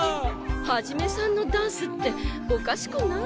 ハジメさんのダンスっておかしくない？